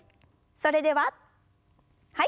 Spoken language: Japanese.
それでははい。